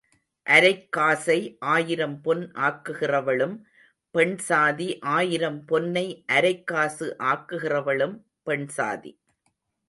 அரைக் காசை ஆயிரம் பொன் ஆக்குகிறவளும் பெண்சாதி ஆயிரம் பொன்னை அரைக் காசு ஆக்குகிறவளும் பெண்சாதி.